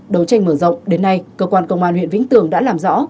đấu tranh mở rộng đến nay cơ quan công an huyện vĩnh tường đã làm rõ